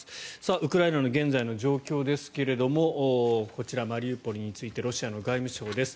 ウクライナの現在の状況ですがこちらマリウポリについてロシアの外務省です。